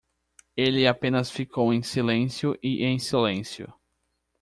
Ele apenas ficou em silêncio e em silêncio